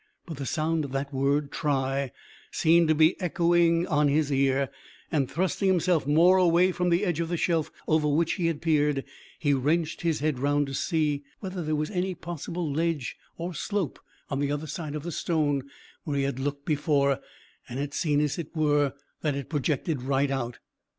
But the sound of that word try seemed to be echoing on his ear, and thrusting himself more away from the edge of the shelf over which he had peered, he wrenched his head round to see whether there was any possible ledge or slope on the other side of the stone where he had looked before and had seen as it were that it projected right out.